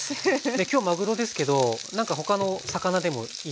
今日まぐろですけど何か他の魚でもいいんですか？